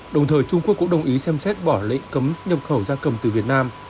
đồng thời trung quốc cũng đồng ý xem xét bỏ lệnh cấm nhập khẩu gia cầm từ việt nam